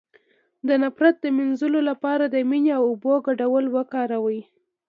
د نفرت د مینځلو لپاره د مینې او اوبو ګډول وکاروئ